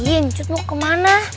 diin cudmu kemana